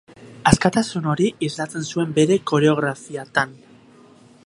Askatasun hori islatzen zuen bere koreografiatan.